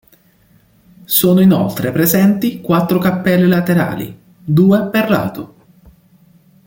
Sono inoltre presenti quattro cappelle laterali, due per lato.